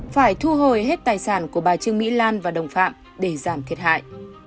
phải thu hồi hết tài sản của bà trương mỹ lan và đồng phạm để giảm thiệt hại